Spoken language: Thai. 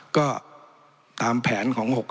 ก็ตามแผนของ๖๕